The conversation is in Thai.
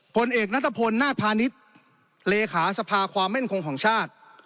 ผลเอกณภนนาภานิษฐ์เลขาสภาความมั่นของของชาติ